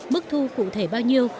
mức thu cụ thể bao nhiêu